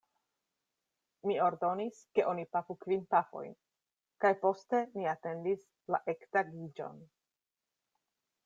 Mi ordonis ke oni pafu kvin pafojn, kaj poste ni atendis la ektagiĝon.